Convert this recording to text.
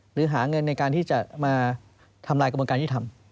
หรือหาเงินที่จะมาทำลายกระบวนการที่ทำ